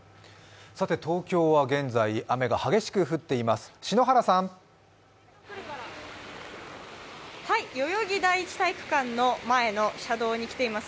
東京は現在雨が激しく降っています。